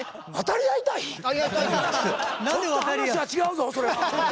ちょっと話は違うぞそれは。